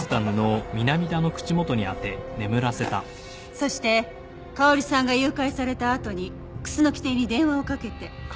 そして香織さんが誘拐されたあとに楠木邸に電話をかけて。